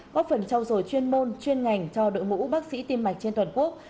góp phần trao dồi chuyên môn chuyên ngành cho đội mũ bác sĩ tim mạch trên toàn quốc